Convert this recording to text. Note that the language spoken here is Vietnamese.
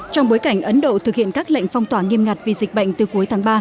trong bối cảnh ấn độ thực hiện các lệnh phong tỏa nghiêm ngặt vì dịch bệnh từ cuối tháng ba